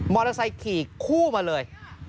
อเตอร์ไซค์ขี่คู่มาเลย